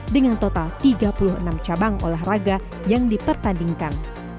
dengan total tiga puluh enam cabang olahraga yang dipertandingkan